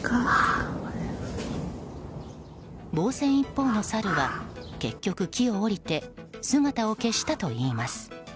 防戦一方のサルは結局木を下りて姿を消したといいます。